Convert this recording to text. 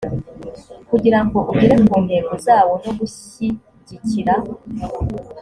kugirango ugere ku ntego zawo no gushyigikira